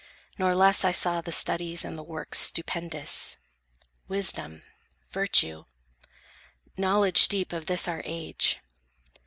Nor less I saw the studies and the works Stupendous, wisdom, virtue, knowledge deep Of this our age.